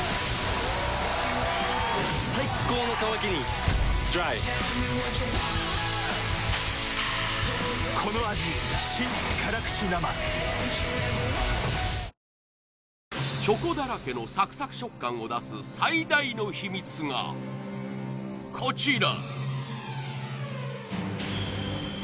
最高の渇きにＤＲＹチョコだらけのサクサク食感を出す最大の秘密がこちら